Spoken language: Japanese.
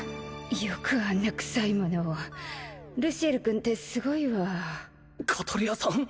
よくあんな臭いものをルシエル君ってすごいわカトレアさん！？